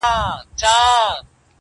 o پير نه الوزي، مريد ئې الوزوي!